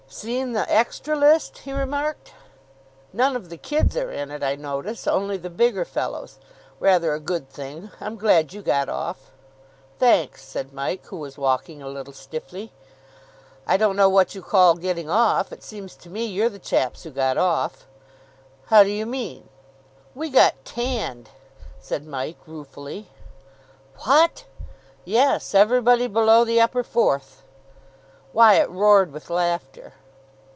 "Seen the 'extra' list?" he remarked. "None of the kids are in it, I notice. Only the bigger fellows. Rather a good thing. I'm glad you got off." "Thanks," said Mike, who was walking a little stiffly. "I don't know what you call getting off. It seems to me you're the chaps who got off." "How do you mean?" "We got tanned," said Mike ruefully. "What!" "Yes. Everybody below the Upper Fourth." Wyatt roared with laughter.